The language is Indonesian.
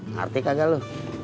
ngerti kagak lu